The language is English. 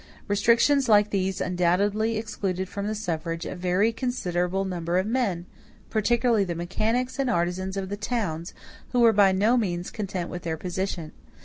Restrictions like these undoubtedly excluded from the suffrage a very considerable number of men, particularly the mechanics and artisans of the towns, who were by no means content with their position.